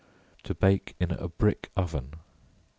To Bake in a Brick Oven.